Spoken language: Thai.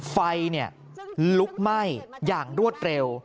ไฟลุกไหม้อย่างรวดเร็ว